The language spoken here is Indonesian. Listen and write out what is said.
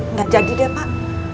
nggak jadi deh pak